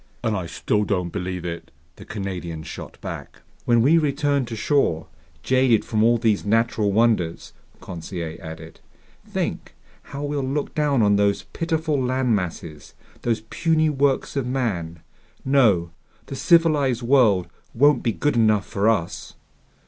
"And I still don't believe it!" the Canadian shot back. "When we return to shore, jaded from all these natural wonders," Conseil added, "think how we'll look down on those pitiful land masses, those puny works of man! No, the civilized world won't be good enough for us!"